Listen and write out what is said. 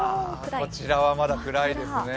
こちらはまだ暗いですね。